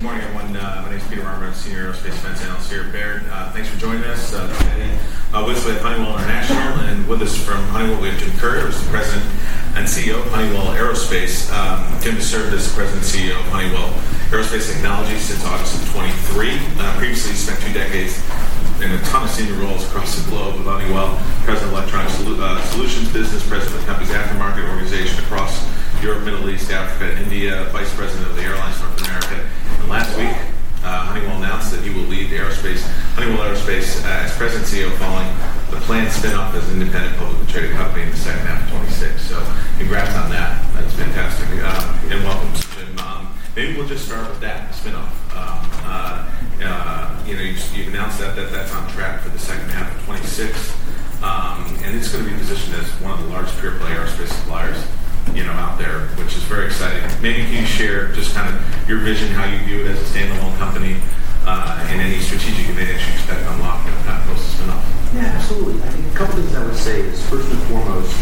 Good morning, everyone. My name is Peter Arment Senior Aerospace Defense Analyst here at Baird. Thanks for joining us. Thanks to anybody with Honeywell International. And with us from Honeywell, we have Jim Currier, who's the President and CEO of Honeywell Aerospace. Jim has served as President and CEO of Honeywell Aerospace Technologies since August of 2023. Previously, he spent two decades in a ton of senior roles across the globe with Honeywell, President of Electronic Solutions business, President of the company's aftermarket organization across Europe, Middle East, Africa, and India, Vice President of the Airlines North America. Last week, Honeywell announced that he will lead Honeywell Aerospace as President and CEO, following the planned spinoff as an independent publicly traded company in the second half of 2026. Congrats on that. That's fantastic. Welcome, Jim. Maybe we'll just start with that spinoff. You've announced that that's on track for the second half of 2026, and it's going to be positioned as one of the largest pure-play aerospace suppliers out there, which is very exciting. Maybe can you share just kind of your vision, how you view it as a standalone company, and any strategic advantage you expect to unlock with that spinoff? Yeah, absolutely. I think a couple of things I would say is, first and foremost,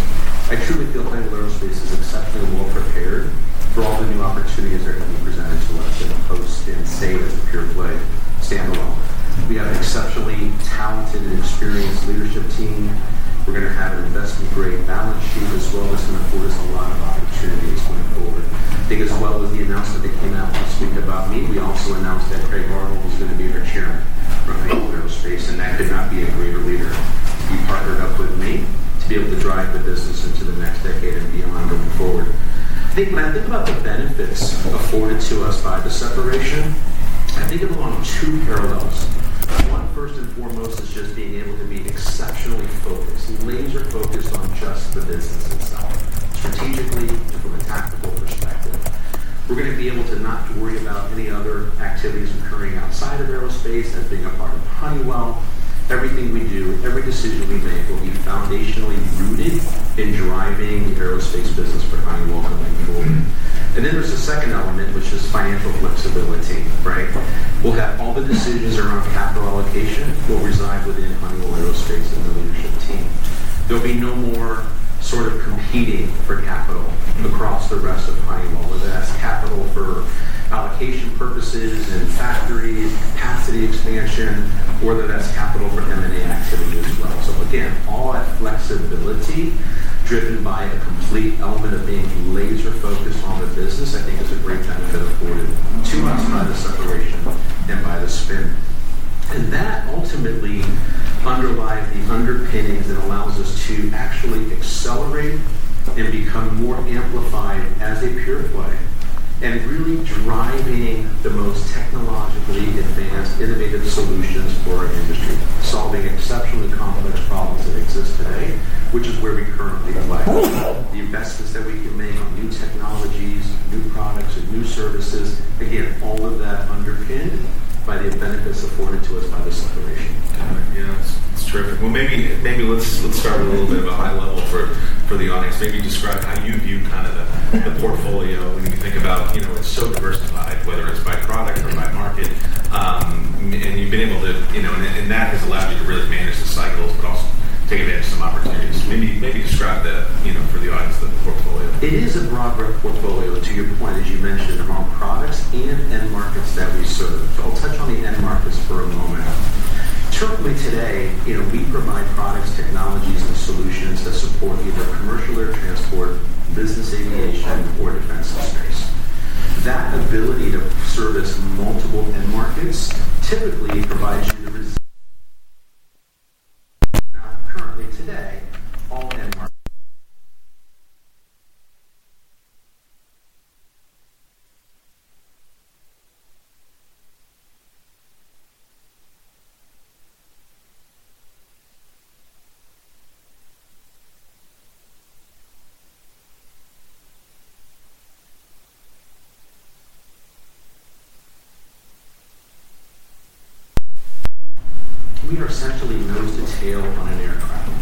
I truly feel Honeywell Aerospace is exceptionally well prepared for all the new opportunities that are going to be presented to us that will host and say that the pure-play standalone. We have an exceptionally talented and experienced leadership team. We're going to have an investment-grade balance sheet, as well as going to afford us a lot of opportunities going forward. I think as well as the announcement that came out last week about me, we also announced that Craig Marwell was going to be our Chairman for Honeywell Aerospace, and that could not be a greater leader to be partnered up with me to be able to drive the business into the next decade and beyond going forward. When I think about the benefits afforded to us by the separation, I think of two parallels. One, first and foremost, is just being able to be exceptionally focused, laser-focused on just the business itself, strategically and from a tactical perspective. We're going to be able to not worry about any other activities occurring outside of aerospace as being a part of Honeywell. Everything we do, every decision we make, will be foundationally rooted in driving the aerospace business for Honeywell going forward. There is a second element, which is financial flexibility. We'll have all the decisions around capital allocation will reside within Honeywell Aerospace and the leadership team. There'll be no more sort of competing for capital across the rest of Honeywell, whether that's capital for allocation purposes and factories, capacity expansion, or whether that's capital for M&A activity as well. All that flexibility driven by a complete element of being laser-focused on the business, I think, is a great benefit afforded to us by the separation and by the spin. That ultimately underlies the underpinnings that allows us to actually accelerate and become more amplified as a pure-play and really driving the most technologically advanced innovative solutions for our industry, solving exceptionally complex problems that exist today, which is where we currently play. The investments that we can make on new technologies, new products, and new services, again, all of that underpinned by the benefits afforded to us by the separation. Got it. Yeah, it's terrific. Maybe let's start with a little bit of a high level for the audience. Maybe describe how you view kind of the portfolio when you think about it's so diversified, whether it's by product or by market, and you've been able to, and that has allowed you to really manage the cycles, but also take advantage of some opportunities. Maybe describe for the audience the portfolio. It is a broad portfolio, to your point, as you mentioned, among products and end markets that we serve. I'll touch on the end markets for a moment. Certainly today, we provide products, technologies, and solutions that support either commercial air transport, business aviation, or defense and space. That ability to service multiple end markets typically provides you the results. Currently, today, all end markets. We are essentially nose to tail on an aircraft.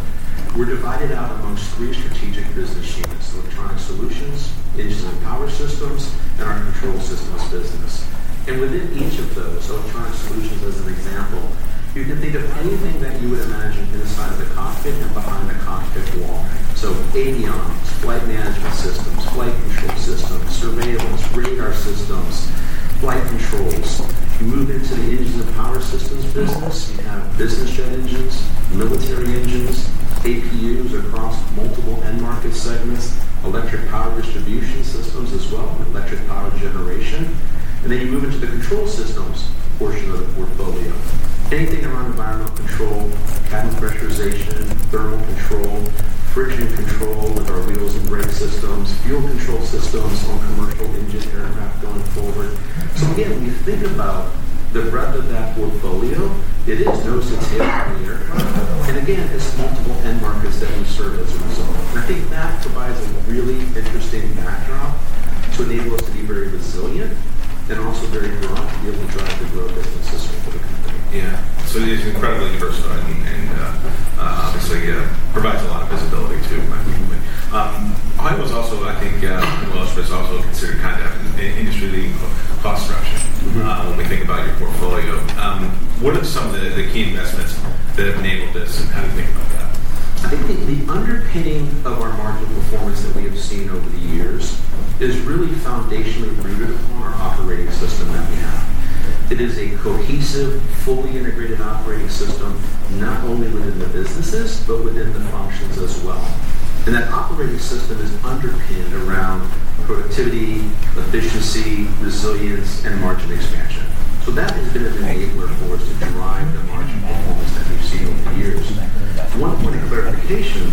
We're divided out amongst three strategic business units: Electronic Solutions, Engines and Power Systems, and our Control Systems business. Within each of those, Electronic Solutions as an example, you can think of anything that you would imagine inside of the cockpit and behind the cockpit wall. Avionics, flight management systems, flight control systems, surveillance, radar systems, flight controls. Moving to the Engines and Power Systems business, you have business jet engines, military engines, APUs across multiple end market segments, electric power distribution systems as well, electric power generation. You move into the control systems portion of the portfolio. Anything around environmental control, cabin pressurization, thermal control, fully integrated operating system, not only within the businesses, but within the functions as well. That operating system is underpinned around productivity, efficiency, resilience, and margin expansion. That has been an enabler for us to drive the margin performance that we've seen over the years. One point of clarification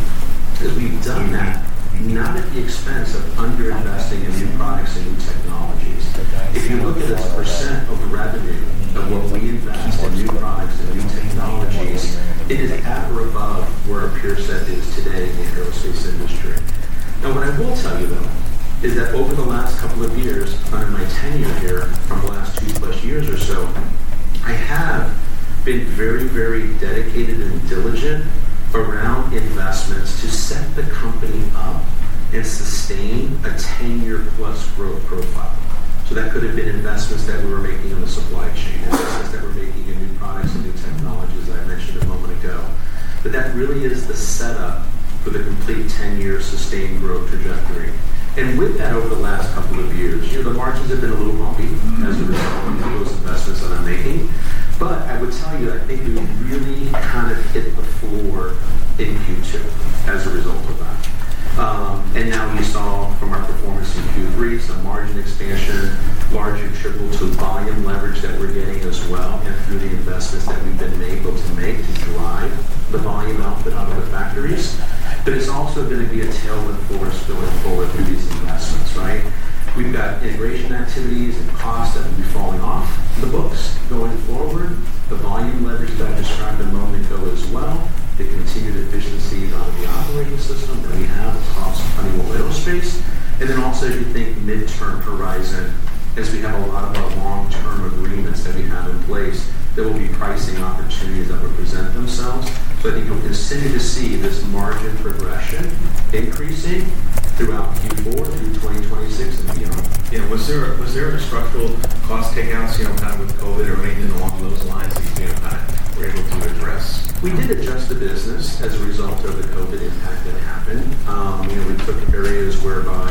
is we've done that not at the expense of underinvesting in new products and new technologies. If you look at this percent of revenue of what we invest in new products and new technologies, it is at or above where a Peerset is today in the aerospace industry. Now, what I will tell you, though, is that over the last couple of years, under my tenure here from the last two plus years or so, I have been very, very dedicated and diligent around investments to set the company up and sustain a ten-year-plus growth profile. That could have been investments that we were making on the supply chain, investments that we're making in new products and new technologies, as I mentioned a moment ago. That really is the setup for the complete ten-year sustained growth trajectory. With that, over the last couple of years, the margins have been a little bumpy as a result of those investments that I'm making. I would tell you, I think we really kind of hit the floor in Q2 as a result of that. You saw from our performance in Q3 some margin expansion, larger triple to volume leverage that we're getting as well, and through the investments that we've been able to make to drive the volume output out of the factories. It is also going to be a tailwind for us going forward through these investments. We've got integration activities and costs that will be falling off the books going forward. The volume leverage that I described a moment ago as well, the continued efficiencies on the operating system that we have across Honeywell Aerospace. Also, as you think midterm horizon, as we have a lot of our long-term agreements that we have in place, there will be pricing opportunities that will present themselves. I think you'll continue to see this margin progression increasing throughout Q4 through 2026 and beyond. Yeah. Was there any structural cost takeouts kind of with COVID or anything along those lines that you kind of were able to address? We did adjust the business as a result of the COVID impact that happened. We took areas whereby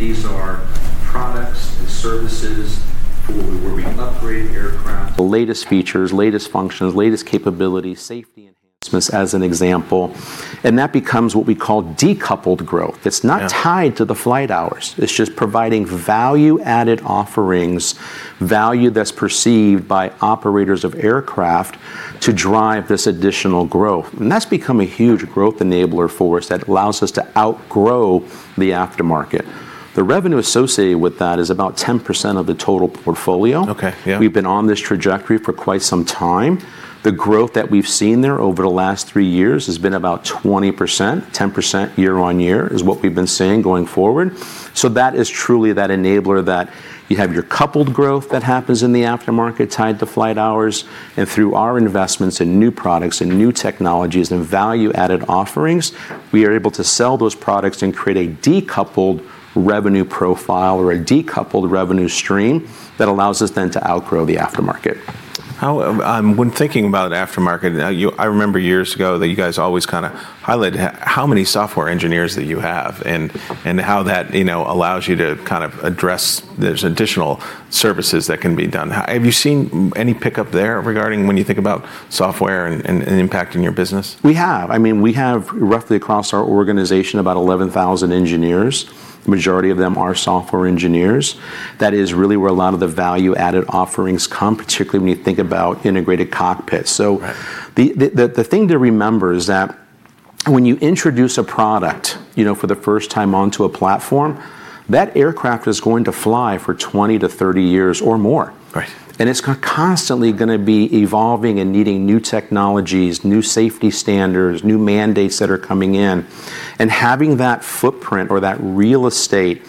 These are products and services for where we upgrade aircraft. Latest features, latest functions, latest capabilities, safety enhancements as an example. That becomes what we call decoupled growth. It is not tied to the flight hours. It is just providing value-added offerings, value that is perceived by operators of aircraft to drive this additional growth. That has become a huge growth enabler for us that allows us to outgrow the aftermarket. The revenue associated with that is about 10% of the total portfolio. We have been on this trajectory for quite some time. The growth that we have seen there over the last three years has been about 20%. 10% year-on-year is what we have been seeing going forward. That is truly that enabler that you have your coupled growth that happens in the aftermarket tied to flight hours. Through our investments in new products and new technologies and value-added offerings, we are able to sell those products and create a decoupled revenue profile or a decoupled revenue stream that allows us then to outgrow the aftermarket. When thinking about aftermarket, I remember years ago that you guys always kind of highlighted how many software engineers that you have and how that allows you to kind of address there's additional services that can be done. Have you seen any pickup there regarding when you think about software and impacting your business? We have. I mean, we have roughly across our organization about 11,000 engineers. The majority of them are software engineers. That is really where a lot of the value-added offerings come, particularly when you think about integrated cockpits. The thing to remember is that when you introduce a product for the first time onto a platform, that aircraft is going to fly for 20-30 years or more. It is constantly going to be evolving and needing new technologies, new safety standards, new mandates that are coming in. Having that footprint or that real estate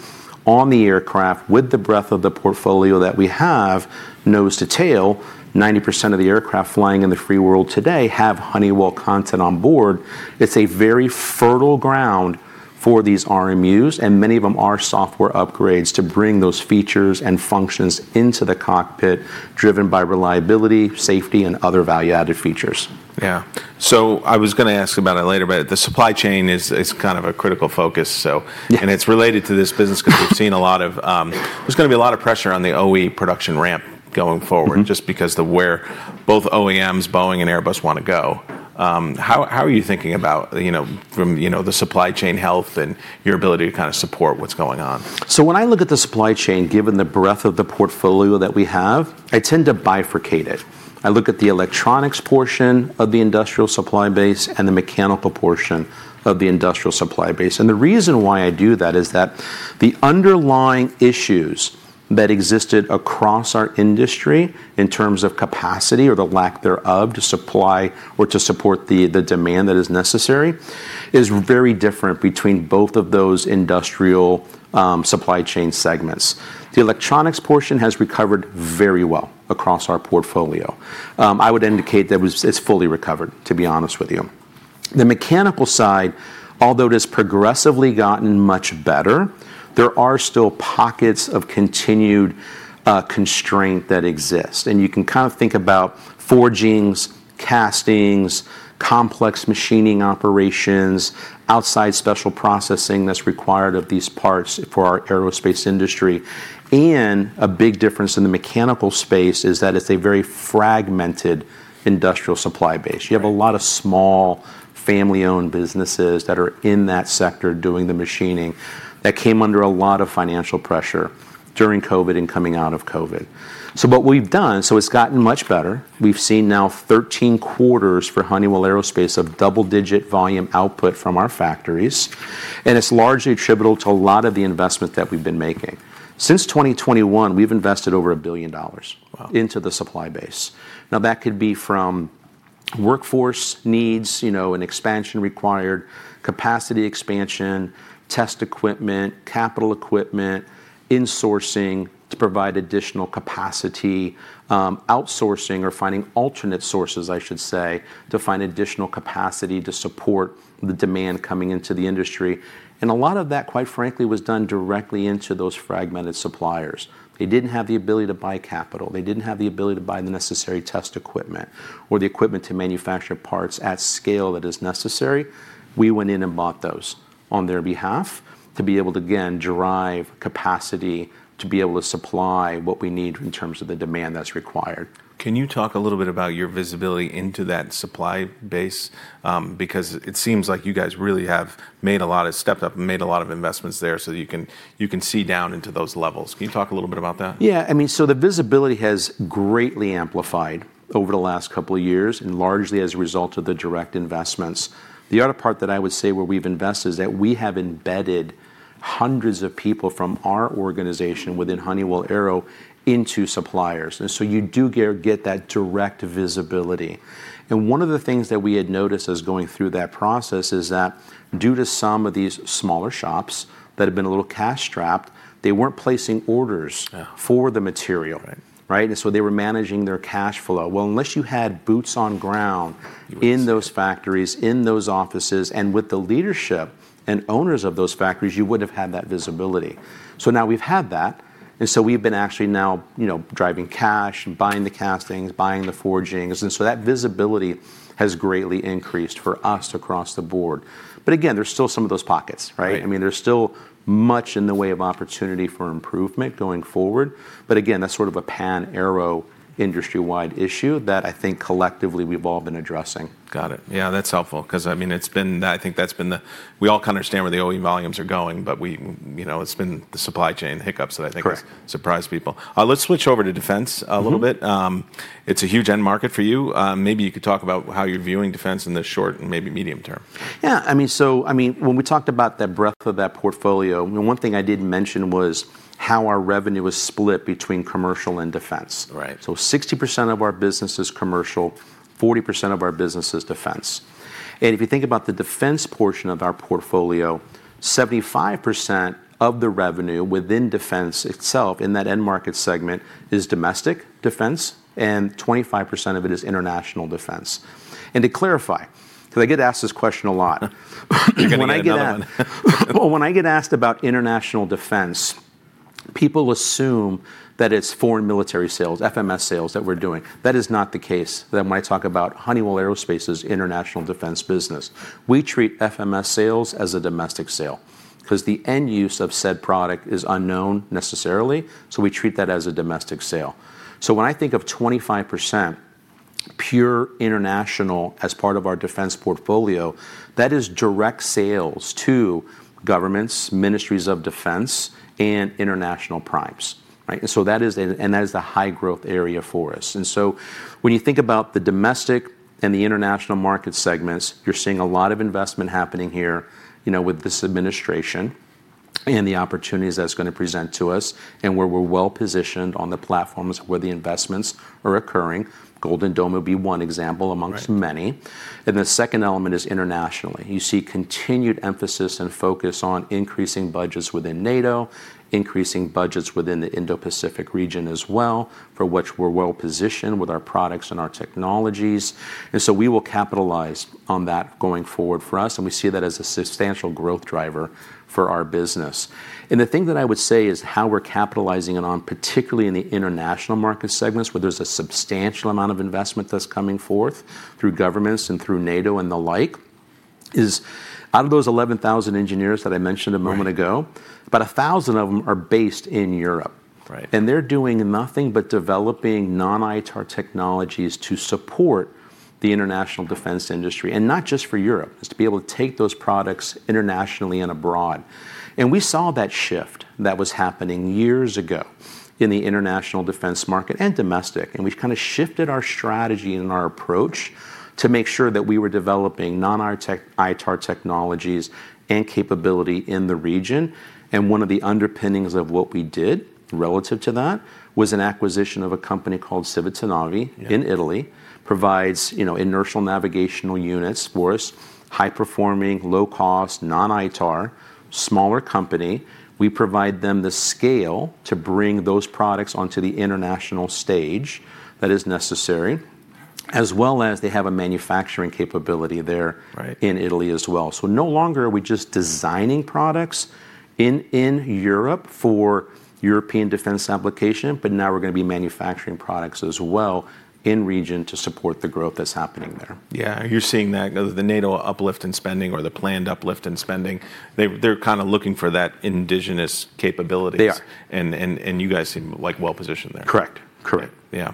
on the aircraft with the breadth of the portfolio that we have, nose to tail, 90% of the aircraft flying in the free world today have Honeywell content on board. It's a very fertile ground for these RMUs, and many of them are software upgrades to bring those features and functions into the cockpit driven by reliability, safety, and other value-added features. Yeah. I was going to ask about it later, but the supply chain is kind of a critical focus. It is related to this business because we've seen a lot of there's going to be a lot of pressure on the OE production ramp going forward just because of where both OEMs, Boeing, and Airbus want to go. How are you thinking about the supply chain health and your ability to kind of support what's going on? When I look at the supply chain, given the breadth of the portfolio that we have, I tend to bifurcate it. I look at the electronics portion of the industrial supply base and the mechanical portion of the industrial supply base. The reason why I do that is that the underlying issues that existed across our industry in terms of capacity or the lack thereof to supply or to support the demand that is necessary is very different between both of those industrial supply chain segments. The electronics portion has recovered very well across our portfolio. I would indicate that it's fully recovered, to be honest with you. The mechanical side, although it has progressively gotten much better, there are still pockets of continued constraint that exist. You can kind of think about forgings, castings, complex machining operations, outside special processing that is required of these parts for our aerospace industry. A big difference in the mechanical space is that it is a very fragmented industrial supply base. You have a lot of small family-owned businesses that are in that sector doing the machining that came under a lot of financial pressure during COVID and coming out of COVID. What we have done, it has gotten much better. We have seen now 13 quarters for Honeywell Aerospace of double-digit volume output from our factories. It is largely attributable to a lot of the investment that we have been making. Since 2021, we have invested over $1 billion into the supply base. Now, that could be from workforce needs, an expansion required, capacity expansion, test equipment, capital equipment, insourcing to provide additional capacity, outsourcing or finding alternate sources, I should say, to find additional capacity to support the demand coming into the industry. A lot of that, quite frankly, was done directly into those fragmented suppliers. They did not have the ability to buy capital. They did not have the ability to buy the necessary test equipment or the equipment to manufacture parts at scale that is necessary. We went in and bought those on their behalf to be able to, again, drive capacity to be able to supply what we need in terms of the demand that is required. Can you talk a little bit about your visibility into that supply base? Because it seems like you guys really have stepped up and made a lot of investments there so that you can see down into those levels. Can you talk a little bit about that? Yeah. I mean, the visibility has greatly amplified over the last couple of years and largely as a result of the direct investments. The other part that I would say where we've invested is that we have embedded hundreds of people from our organization within Honeywell Aero into suppliers. You do get that direct visibility. One of the things that we had noticed as going through that process is that due to some of these smaller shops that had been a little cash-strapped, they were not placing orders for the material. They were managing their cash flow. Unless you had boots on ground in those factories, in those offices, and with the leadership and owners of those factories, you would not have had that visibility. Now we've had that. We've been actually now driving cash and buying the castings, buying the forgings. That visibility has greatly increased for us across the board. Again, there's still some of those pockets. I mean, there's still much in the way of opportunity for improvement going forward. Again, that's sort of a Pan-Aero industry-wide issue that I think collectively we've all been addressing. Got it. Yeah, that's helpful. Because I mean, I think that's been the, we all kind of understand where the OE volumes are going, but it's been the supply chain hiccups that I think have surprised people. Let's switch over to defense a little bit. It's a huge end market for you. Maybe you could talk about how you're viewing defense in the short and maybe medium term. Yeah. I mean, when we talked about the breadth of that portfolio, one thing I did mention was how our revenue was split between commercial and defense. 60% of our business is commercial, 40% of our business is defense. If you think about the defense portion of our portfolio, 75% of the revenue within defense itself in that end market segment is domestic defense, and 25% of it is international defense. To clarify, because I get asked this question a lot. You're going to get it. When I get asked about international defense, people assume that it's foreign military sales, FMS sales that we're doing. That is not the case when I talk about Honeywell Aerospace's international defense business. We treat FMS sales as a domestic sale because the end use of said product is unknown necessarily. We treat that as a domestic sale. When I think of 25% pure international as part of our defense portfolio, that is direct sales to governments, ministries of defense, and international primes. That is the high growth area for us. When you think about the domestic and the international market segments, you're seeing a lot of investment happening here with this administration and the opportunities that it's going to present to us and where we're well positioned on the platforms where the investments are occurring. Golden Dome would be one example amongst many. The second element is internationally. You see continued emphasis and focus on increasing budgets within NATO, increasing budgets within the Indo-Pacific region as well, for which we're well positioned with our products and our technologies. We will capitalize on that going forward for us. We see that as a substantial growth driver for our business. The thing that I would say is how we're capitalizing in on, particularly in the international market segments where there's a substantial amount of investment that's coming forth through governments and through NATO and the like, is out of those 11,000 engineers that I mentioned a moment ago, about 1,000 of them are based in Europe. They're doing nothing but developing non-ITAR technologies to support the international defense industry. Not just for Europe, it's to be able to take those products internationally and abroad. We saw that shift that was happening years ago in the international defense market and domestic. We have kind of shifted our strategy and our approach to make sure that we were developing non-ITAR technologies and capability in the region. One of the underpinnings of what we did relative to that was an acquisition of a company called Civitanovi in Italy. It provides inertial navigation units for us, high-performing, low-cost, non-ITAR, smaller company. We provide them the scale to bring those products onto the international stage that is necessary, as well as they have a manufacturing capability there in Italy as well. No longer are we just designing products in Europe for European defense application, but now we're going to be manufacturing products as well in region to support the growth that's happening there. Yeah. You're seeing that the NATO uplift in spending or the planned uplift in spending, they're kind of looking for that indigenous capability. And you guys seem like well positioned there. Correct.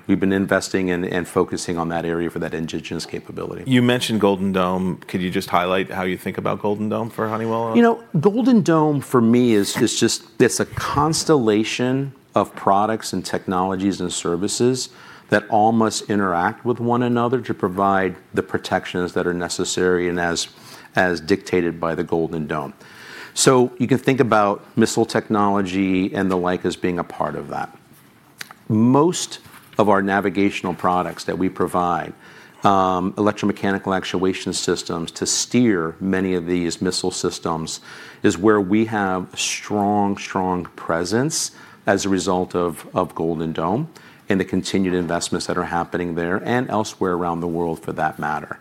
We've been investing and focusing on that area for that indigenous capability. You mentioned Golden Dome. Could you just highlight how you think about Golden Dome for Honeywell? Golden Dome, for me, is just a constellation of products and technologies and services that all must interact with one another to provide the protections that are necessary and as dictated by the Golden Dome. You can think about missile technology and the like as being a part of that. Most of our navigational products that we provide, electromechanical actuation systems to steer many of these missile systems, is where we have a strong, strong presence as a result of Golden Dome and the continued investments that are happening there and elsewhere around the world for that matter.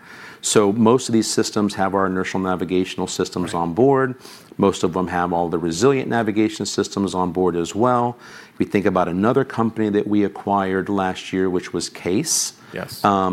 Most of these systems have our inertial navigation systems on board. Most of them have all the resilient navigation systems on board as well. If you think about another company that we acquired last year, which was CAES,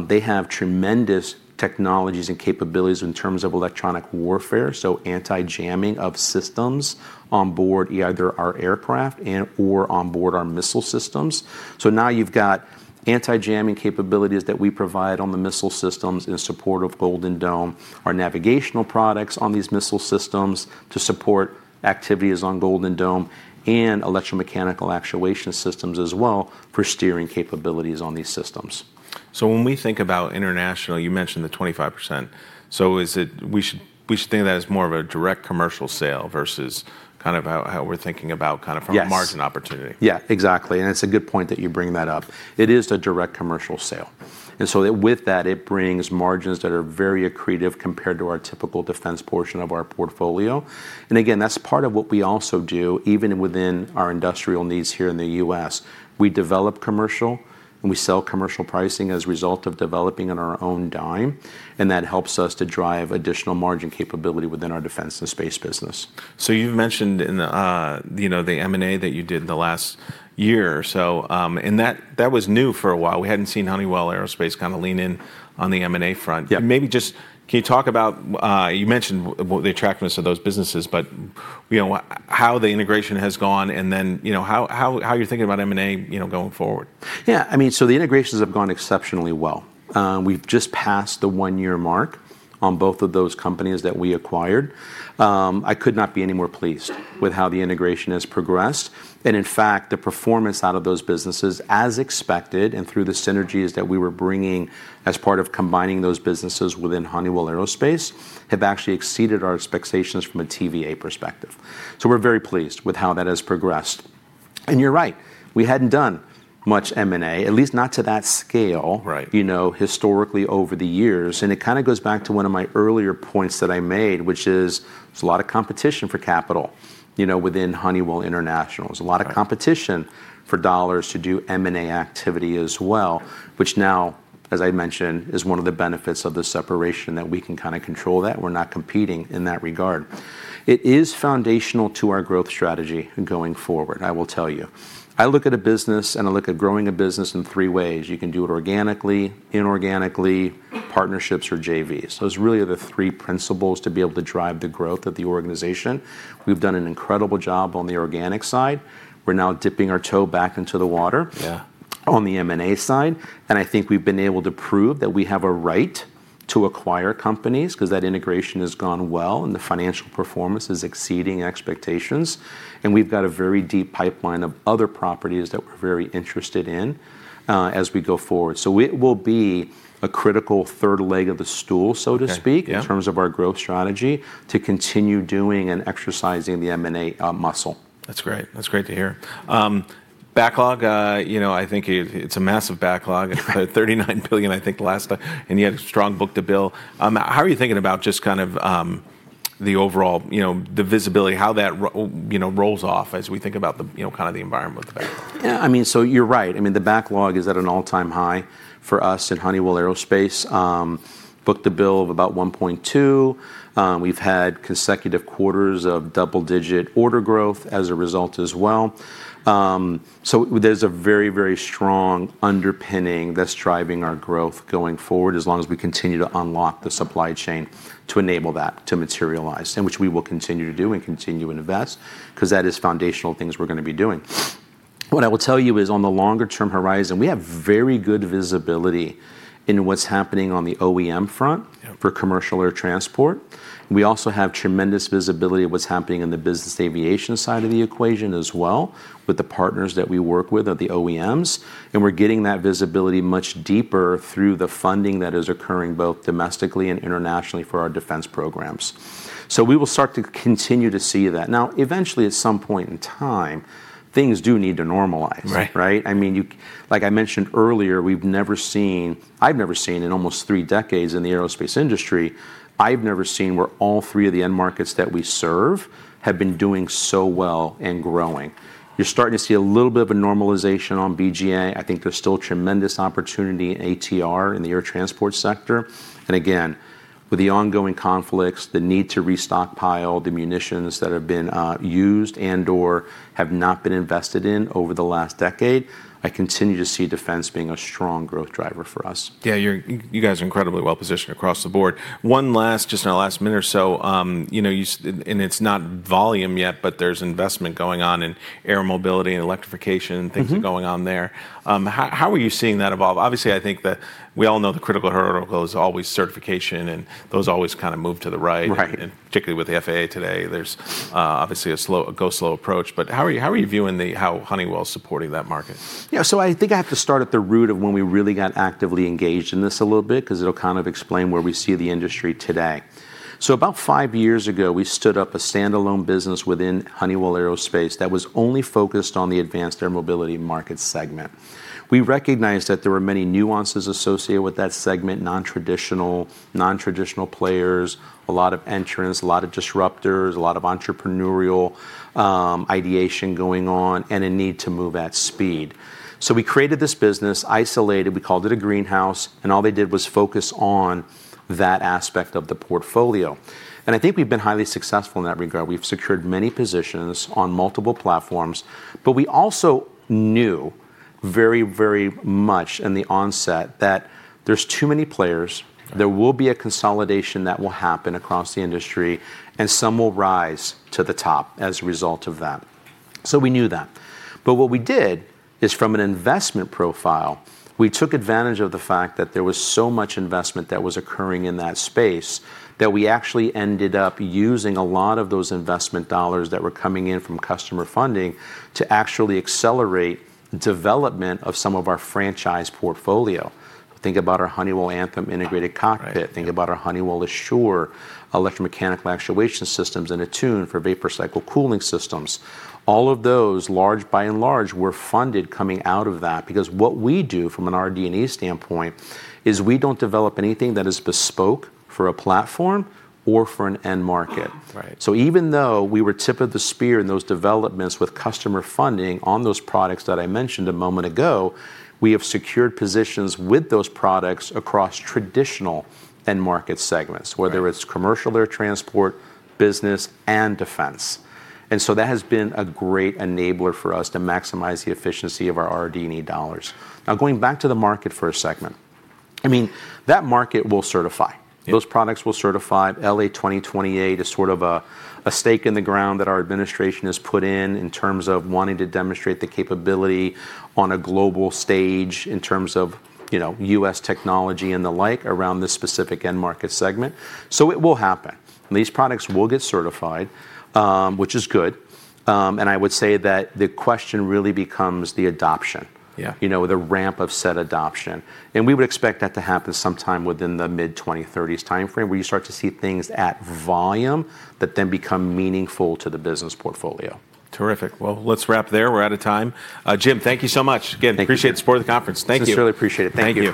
they have tremendous technologies and capabilities in terms of electronic warfare, so anti-jamming of systems on board either our aircraft or on board our missile systems. Now you have got anti-jamming capabilities that we provide on the missile systems in support of Golden Dome, our navigational products on these missile systems to support activities on Golden Dome, and electromechanical actuation systems as well for steering capabilities on these systems. When we think about international, you mentioned the 25%. We should think of that as more of a direct commercial sale versus kind of how we're thinking about kind of a margin opportunity. Yes. Yeah, exactly. It is a good point that you bring that up. It is a direct commercial sale. With that, it brings margins that are very accretive compared to our typical defense portion of our portfolio. Again, that is part of what we also do, even within our industrial needs here in the U.S. We develop commercial, and we sell commercial pricing as a result of developing on our own dime. That helps us to drive additional margin capability within our defense and space business. You've mentioned the M&A that you did in the last year or so. That was new for a while. We hadn't seen Honeywell Aerospace kind of lean in on the M&A front. Maybe just can you talk about, you mentioned the attractiveness of those businesses, but how the integration has gone and then how you're thinking about M&A going forward? Yeah. I mean, so the integrations have gone exceptionally well. We've just passed the one-year mark on both of those companies that we acquired. I could not be any more pleased with how the integration has progressed. In fact, the performance out of those businesses, as expected and through the synergies that we were bringing as part of combining those businesses within Honeywell Aerospace, have actually exceeded our expectations from a TVA perspective. We are very pleased with how that has progressed. You're right. We hadn't done much M&A, at least not to that scale historically over the years. It kind of goes back to one of my earlier points that I made, which is there's a lot of competition for capital within Honeywell International. There's a lot of competition for dollars to do M&A activity as well, which now, as I mentioned, is one of the benefits of the separation that we can kind of control that. We're not competing in that regard. It is foundational to our growth strategy going forward, I will tell you. I look at a business, and I look at growing a business in three ways. You can do it organically, inorganically, partnerships, or JVs. Those really are the three principles to be able to drive the growth of the organization. We've done an incredible job on the organic side. We're now dipping our toe back into the water on the M&A side. I think we've been able to prove that we have a right to acquire companies because that integration has gone well and the financial performance is exceeding expectations. We have a very deep pipeline of other properties that we are very interested in as we go forward. It will be a critical third leg of the stool, so to speak, in terms of our growth strategy to continue doing and exercising the M&A muscle. That's great. That's great to hear. Backlog, I think it's a massive backlog, $39 billion, I think, last time. You had a strong book to bill. How are you thinking about just kind of the overall visibility, how that rolls off as we think about kind of the environment with the backlog? Yeah. I mean, so you're right. I mean, the backlog is at an all-time high for us at Honeywell Aerospace. Book to bill of about 1.2. We've had consecutive quarters of double-digit order growth as a result as well. There is a very, very strong underpinning that's driving our growth going forward as long as we continue to unlock the supply chain to enable that to materialize, which we will continue to do and continue to invest because that is foundational things we're going to be doing. What I will tell you is on the longer-term horizon, we have very good visibility in what's happening on the OEM front for commercial air transport. We also have tremendous visibility of what's happening in the business aviation side of the equation as well with the partners that we work with at the OEMs. We're getting that visibility much deeper through the funding that is occurring both domestically and internationally for our defense programs. We will start to continue to see that. Now, eventually, at some point in time, things do need to normalize. I mean, like I mentioned earlier, I've never seen in almost three decades in the aerospace industry, I've never seen where all three of the end markets that we serve have been doing so well and growing. You're starting to see a little bit of a normalization on BGA. I think there's still tremendous opportunity in ATR in the air transport sector. Again, with the ongoing conflicts, the need to restockpile the munitions that have been used and/or have not been invested in over the last decade, I continue to see defense being a strong growth driver for us. Yeah. You guys are incredibly well positioned across the board. One last, just in our last minute or so, and it's not volume yet, but there's investment going on in air mobility and electrification and things are going on there. How are you seeing that evolve? Obviously, I think that we all know the critical hurdle is always certification, and those always kind of move to the right. Particularly with the FAA today, there's obviously a go slow approach. How are you viewing how Honeywell is supporting that market? Yeah. I think I have to start at the root of when we really got actively engaged in this a little bit because it'll kind of explain where we see the industry today. About five years ago, we stood up a standalone business within Honeywell Aerospace that was only focused on the advanced air mobility market segment. We recognized that there were many nuances associated with that segment, non-traditional players, a lot of entrants, a lot of disruptors, a lot of entrepreneurial ideation going on, and a need to move at speed. We created this business isolated. We called it a greenhouse. All they did was focus on that aspect of the portfolio. I think we've been highly successful in that regard. We've secured many positions on multiple platforms. We also knew very, very much in the onset that there's too many players. There will be a consolidation that will happen across the industry, and some will rise to the top as a result of that. We knew that. What we did is from an investment profile, we took advantage of the fact that there was so much investment that was occurring in that space that we actually ended up using a lot of those investment dollars that were coming in from customer funding to actually accelerate development of some of our franchise portfolio. Think about our Honeywell Anthem integrated cockpit. Think about our Honeywell Assure electromechanical actuation systems and Attune for vapor cycle cooling systems. All of those, by and large, were funded coming out of that because what we do from an R&D and E standpoint is we do not develop anything that is bespoke for a platform or for an end market. Even though we were tip of the spear in those developments with customer funding on those products that I mentioned a moment ago, we have secured positions with those products across traditional end market segments, whether it is commercial air transport, business, and defense. That has been a great enabler for us to maximize the efficiency of our R&D and E dollars. Now, going back to the market for a segment, I mean, that market will certify. Those products will certify LA 2028 as sort of a stake in the ground that our administration has put in in terms of wanting to demonstrate the capability on a global stage in terms of U.S. technology and the like around this specific end market segment. It will happen. These products will get certified, which is good. I would say that the question really becomes the adoption, the ramp of said adoption. We would expect that to happen sometime within the mid-2030s timeframe where you start to see things at volume that then become meaningful to the business portfolio. Terrific. Let's wrap there. We're out of time. Jim, thank you so much. Again, appreciate the support of the conference. Thank you. Just really appreciate it. Thank you.